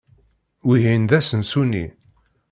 Wihin d asensu-nni.